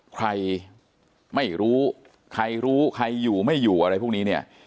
ใครไม่รู้ใครรู้ใครอยู่ไม่อยู่อะไรพวกนี้เนี่ย